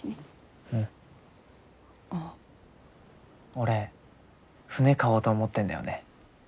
俺船買おうと思ってんだよね。